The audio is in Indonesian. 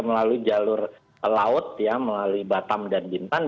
melalui jalur laut melalui batam dan bintan